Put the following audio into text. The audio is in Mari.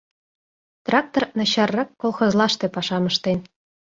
Трактор начаррак колхозлаште пашам ыштен.